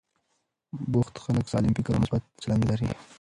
بوخت خلک سالم فکر او مثبت چلند لري.